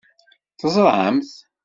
Teẓṛamt?